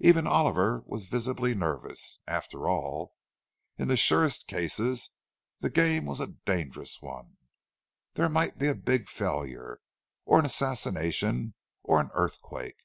Even Oliver was visibly nervous—after all, in the surest cases, the game was a dangerous one; there might be a big failure, or an assassination, or an earthquake!